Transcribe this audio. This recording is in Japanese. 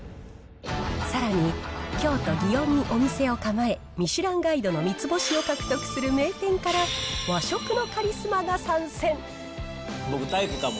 さらに、京都・祇園にお店を構え、ミシュランガイドの三つ星を獲得する名店から、和食のカリスマが僕、タイプかも。